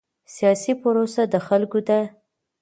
سیاسي پروسه د خلکو ده